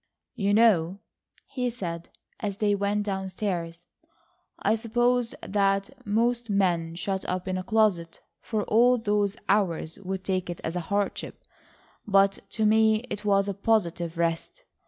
"You know," he said, as they went down stairs, "I suppose that most men shut up in a closet for all those hours would take it as a hardship, but, to me it was a positive rest.